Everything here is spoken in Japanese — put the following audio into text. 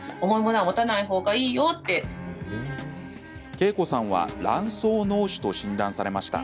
けいこさんは卵巣のう腫と診断されました。